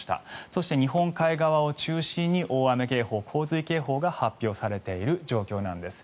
そして、日本海側を中心に大雨警報、洪水警報が発表されている状況なんです。